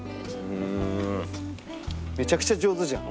めちゃくちゃ上手じゃん。